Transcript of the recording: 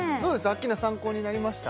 アッキーナ参考になりました？